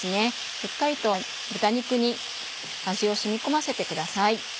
しっかりと豚肉に味を染み込ませてください。